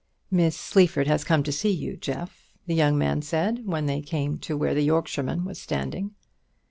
"Miss Sleaford has come to see you, Jeff," the young man said, when they came to where the Yorkshireman was standing.